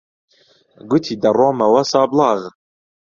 گوتی دەڕۆمەوە سابڵاغ.